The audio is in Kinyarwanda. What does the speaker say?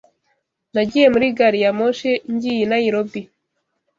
nagiye muri gare ya moshi ngiye I nairobi